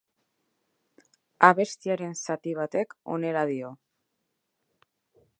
Abestiaren zati batek honela dio.